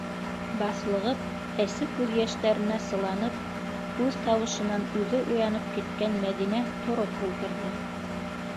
Баҫлығып, әсе күҙ йәштәренә сыланып, үҙ тауышына үҙе уянып киткән Мәҙинә тороп ултырҙы.